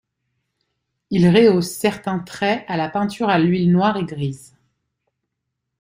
Il rehausse certains traits à la peinture à l'huile noire et grise.